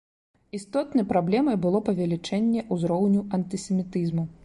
Істотнай праблемай было павелічэнне ўзроўню антысемітызму.